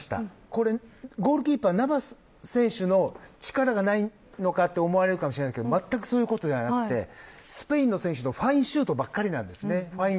これはゴールキーパーのナヴァス選手の力がないのかと思われますが全くそういうことではなくてスペインの選手のファインシュートばっかりなんです。